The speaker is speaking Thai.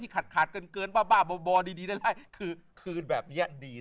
ที่ขาดขาดเกินเกินบ้าบ้าบอบอดีได้คือคืนแบบนี้ดี